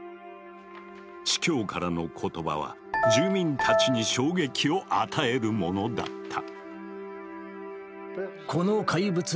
司教からの言葉は住民たちに衝撃を与えるものだった。